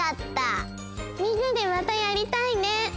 みんなでまたやりたいね！